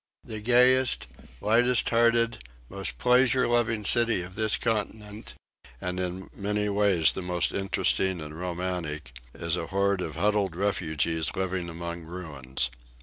The gayest, lightest hearted, most pleasure loving city of this continent, and in many ways the most interesting and romantic, is a horde of huddled refugees living among ruins.